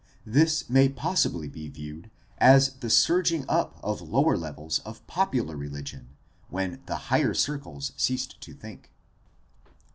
This may possibly be viewed as the surging up of lower levels of popular religion when the higher circles ceased to think.